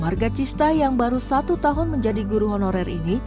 warga cista yang baru satu tahun menjadi guru honorer ini